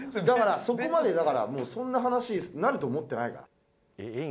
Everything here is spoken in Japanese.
だからそこまでだからそんな話になると思ってないから。